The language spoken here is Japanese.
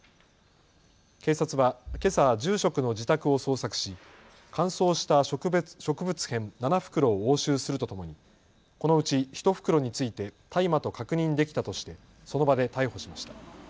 警察はけさ、住職の自宅を捜索し乾燥した植物片７袋を押収するとともにこのうち１袋について大麻と確認できたとしてその場で逮捕しました。